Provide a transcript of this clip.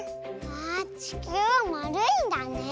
わあちきゅうはまるいんだね。